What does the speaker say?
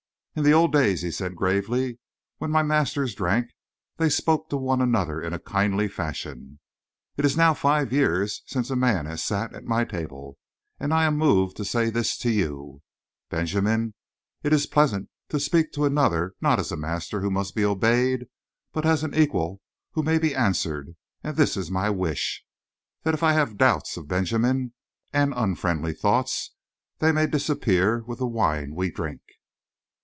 "In the old days," he said gravely, "when my masters drank they spoke to one another in a kindly fashion. It is now five years since a man has sat at my table, and I am moved to say this to you, Benjamin: it is pleasant to speak to another not as a master who must be obeyed, but as an equal who may be answered, and this is my wish, that if I have doubts of Benjamin, and unfriendly thoughts, they may disappear with the wine we drink."